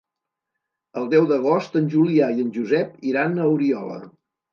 El deu d'agost en Julià i en Josep iran a Oriola.